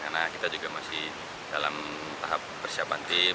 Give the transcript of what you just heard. karena kita juga masih dalam tahap persiapan tim